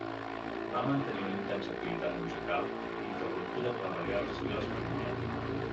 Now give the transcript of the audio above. Va mantenir una intensa activitat musical interrompuda per la guerra civil espanyola.